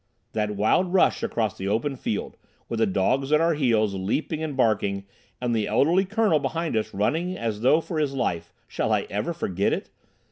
That wild rush across the open field, with the dogs at our heels, leaping and barking, and the elderly Colonel behind us running as though for his life, shall I ever forget it?